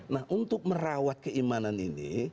nah untuk merawat keimanan ini